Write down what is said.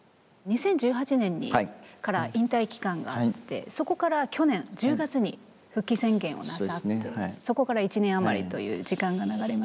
２０１８年から引退期間があってそこから去年１０月に復帰宣言をなさってそこから１年余りという時間が流れましたけれども。